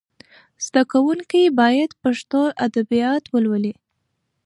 زده کونکي باید پښتو ادبیات ولولي.